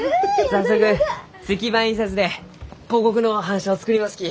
早速石版印刷で広告の版下を作りますき。